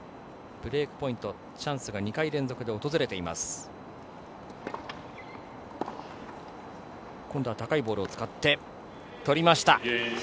ブレークポイントチャンスが２回連続で訪れています。